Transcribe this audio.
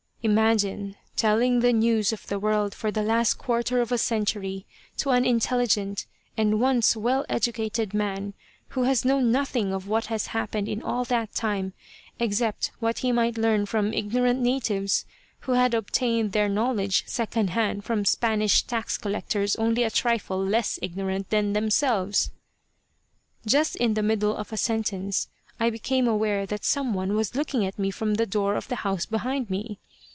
Imagine telling the news of the world for the last quarter of a century to an intelligent and once well educated man who has known nothing of what has happened in all that time except what he might learn from ignorant natives, who had obtained their knowledge second hand from Spanish tax collectors only a trifle less ignorant than themselves. Just in the middle of a sentence I became aware that some one was looking at me from the door of the house behind me.